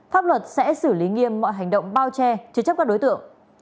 pháp luật sẽ xử lý nghiêm mọi hành động bao che chứa chấp các đối tượng